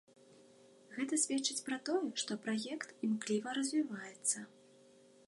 Гэта сведчыць пра тое, што праект імкліва развіваецца.